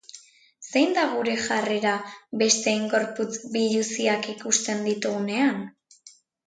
Zein da gure jarrera besteen gorputz biluziak ikusten ditugunean?